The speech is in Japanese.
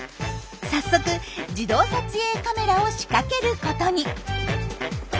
早速自動撮影カメラを仕掛けることに。